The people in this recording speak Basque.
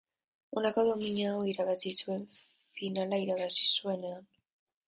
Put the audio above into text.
Honako domina hau irabazi zuen finala irabazi zuenean.